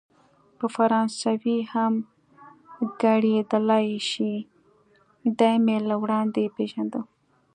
په فرانسوي هم ګړیدلای شي، دی مې له وړاندې پېژانده.